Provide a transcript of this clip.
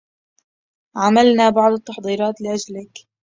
عملنا بعض التحضيرات لأجلك.